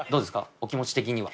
お気持ち的には？